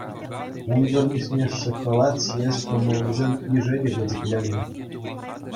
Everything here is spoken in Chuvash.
Унсӑр пуҫне шӑккӑлат ҫиес кӑмӑллисен йышӗ те пӗчӗкленнӗ.